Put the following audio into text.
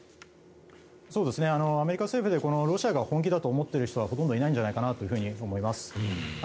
アメリカ政府でロシアが本気だと思っている人はほとんどいないんじゃないかなと思います。